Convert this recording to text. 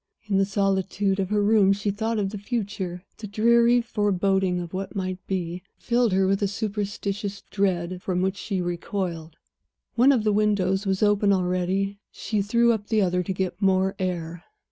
In the solitude of her room she thought of the future. The dreary foreboding of what it might be, filled her with a superstitious dread from which she recoiled. One of the windows was open already; she threw up the other to get more air.